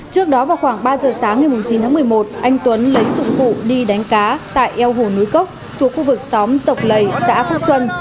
trước đó vào khoảng ba giờ sáng ngày chín một mươi một anh tuấn lấy dụng vụ đi đánh cá tại eo hồ nối cốc thuộc khu vực xóm tộc lầy xã phúc xuân